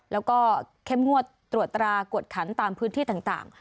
แล้วก็เข้มงวดตรวจตรากวดขันตามพื้นที่ต่าง